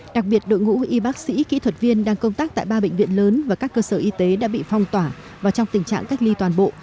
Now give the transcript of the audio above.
đặc biệt đội ngũ y bác sĩ kỹ thuật viên đang công tác tại ba bệnh viện lớn và các cơ sở y tế đã bị phong tỏa và trong tình trạng cách ly toàn bộ